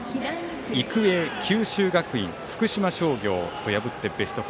育英、九州学院福島商業を破ってベスト４。